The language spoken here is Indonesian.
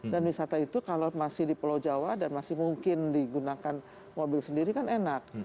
dan bisata itu kalau masih di pulau jawa dan masih mungkin digunakan mobil sendiri kan enak